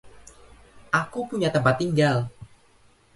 Aku punya tempat tinggal.